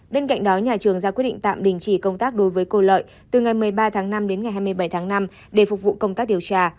bên cạnh đó nhà trường ra quyết định tạm đình chỉ công tác đối với cô lợi từ ngày một mươi ba tháng năm đến ngày hai mươi bảy tháng năm để phục vụ công tác điều tra